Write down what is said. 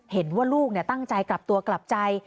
เห็นว่าลูกตั้งใจกลับตัวกลับใจ